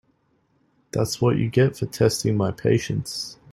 That’s what you get for testing my patience.